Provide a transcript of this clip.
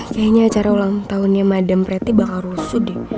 kayaknya acara ulang tahunnya madam pretty bakal rusuh deh